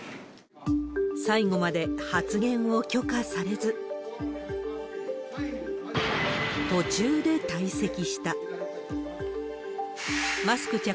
最後まで発言を許可されず、途中で退席した。